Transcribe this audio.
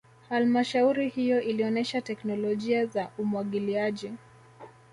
halmashauri hiyo ilionesha teknolojia za umwagiliaji